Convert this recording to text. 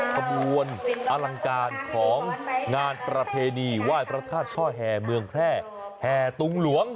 ขบวนอลังการของงานประเพณีไหว้พระธาตุช่อแห่เมืองแพร่แห่ตุงหลวง